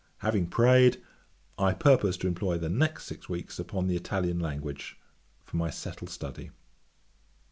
'Having prayed, I purpose to employ the next six weeks upon the Italian language, for my settled study.'